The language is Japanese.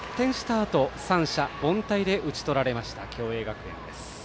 あと三者凡退で打ち取られました共栄学園です。